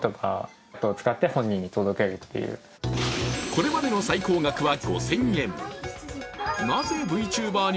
これまでの最高額は５０００円。